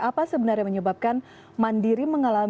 apa sebenarnya menyebabkan mandiri mengalami